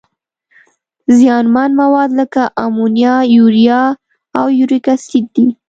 زیانمن مواد لکه امونیا، یوریا او یوریک اسید دي.